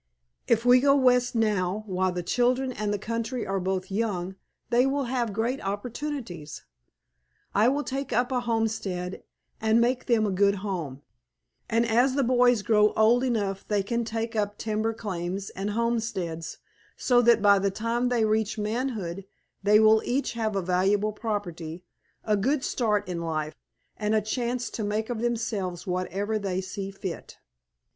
If we go west now, while the children and the country are both young they will have great opportunities. I will take up a homestead and make them a good home, and as the boys grow old enough they can take up timber claims and homesteads so that by the time they reach manhood they will each have a valuable property, a good start in life, and a chance to make of themselves whatever they see fit."